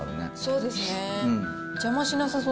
そうですね。